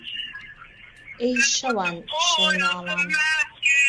ئهی شهوان شهو ناڵان